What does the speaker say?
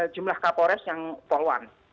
jumlah kapolres yang poluan